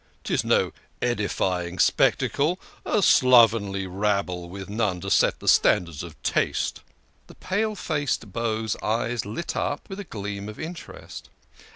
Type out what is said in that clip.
'Tis no edifying spectacle a slovenly rabble with none to set the standard of taste." The pale faced beau's eyes lit up with a gleam of interest.